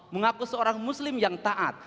mengaku seorang muslim yang taat